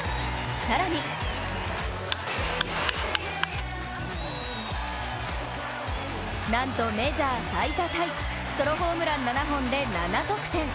更になんとメジャー最多タイ７本のソロホームランで７得点。